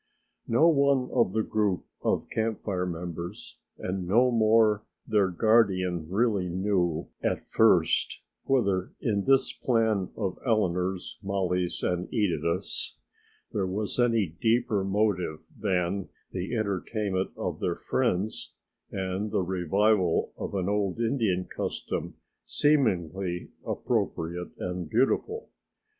No one of the group of Camp Fire members and no more their guardian really knew at first whether in this plan of Eleanor's, Mollie's and Edith's there was any deeper motive than the entertainment of their friends and the revival of an old Indian custom seemingly appropriate and beautiful.